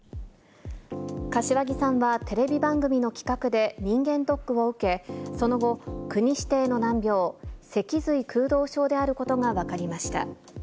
柏木さんはテレビ番組の企画で人間ドックを受け、その後、国指定の難病、脊髄空洞症であることが分かりました。